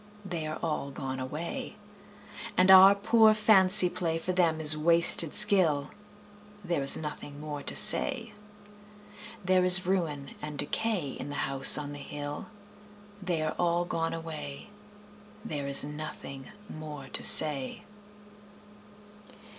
They are all gone away. And our poor fancy play For them is wasted skill: There is nothing more to say. There is ruin and decay In the House on the Hill They are all gone away, There is nothing more to say.